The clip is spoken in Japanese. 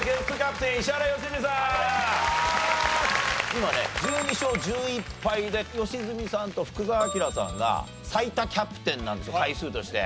今ね１２勝１１敗で良純さんと福澤朗さんが最多キャプテンなんですよ回数として。